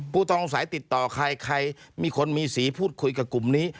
ผู้ต้องสัยติดต่อใครใครมีคนมีสีพูดคุยกับกลุ่มนี้